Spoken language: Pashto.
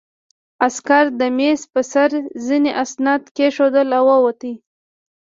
عسکر د مېز په سر ځینې اسناد کېښودل او ووت